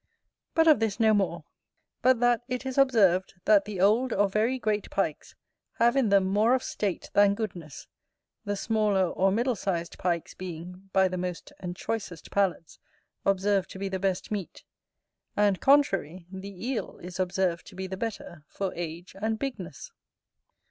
But of this no more; but that it is observed, that the old or very great Pikes have in them more of state than goodness; the smaller or middle sized Pikes being, by the most and choicest palates, observed to be the best meat: and, contrary, the Eel is observed to be the better for age and bigness.